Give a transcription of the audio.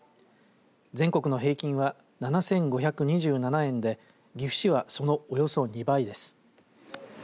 全国平均は７５２７円で岐阜市は、そのおよそ２倍です。